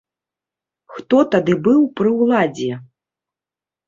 Хто тады быў пры ўладзе?